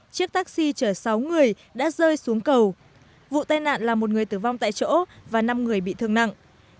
chiếc taxi chở sáu người đã rơi xuống cầu vụ tai nạn là một người tử vong tại chỗ và năm người bị thương nặng